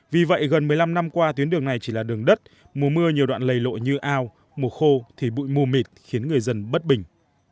vì vậy gần một mươi năm năm qua tuyến đường này chỉ là đường đất mùa mưa nhiều đoạn lầy lộ như ao mùa khô thì bụi mù mịt khiến người dân bất bình